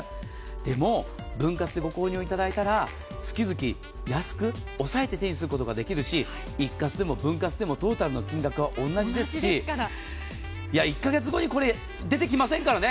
でも、分割でご購入いただいたら月々安く抑えて手にすることができるし一括でも分割でもトータルの金額は同じですし１か月後にこれ、出てきませんからね。